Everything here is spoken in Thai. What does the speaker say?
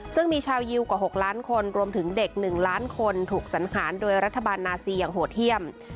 ซึ่งมีชาวยิวกว่า๖ล้านคนรวมถึงเด็ก๑ล้านคนถูกสังหารโดยรัฐบาลนาซีอย่างโหดเยี่ยม